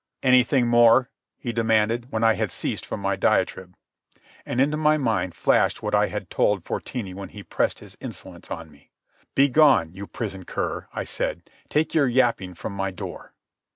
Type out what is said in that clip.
"Anything more?" he demanded, when I had ceased from my diatribe. And into my mind flashed what I had told Fortini when he pressed his insolence on me. "Begone, you prison cur," I said. "Take your yapping from my door."